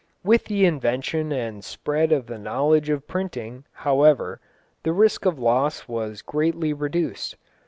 With the invention and spread of the knowledge of printing, however, the risk of loss was greatly reduced.